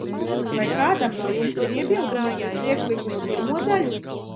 Vai kādam no jums ir iebildumi pret priekšlikuma pirmo daļu?